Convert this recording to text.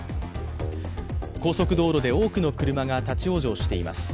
高速道路で多くの車が立往生しています。